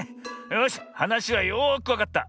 よしはなしはよくわかった。